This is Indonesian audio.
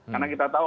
karena kita tahu